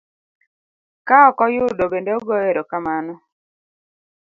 ka okoyudo bende ogoyo ero kamano.